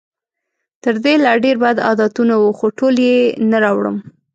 تر دې لا ډېر بد عادتونه وو، خو ټول یې نه راوړم.